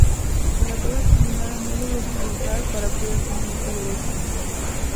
En la prueba combinada no logró finalizar para cuidar su muñeca derecha.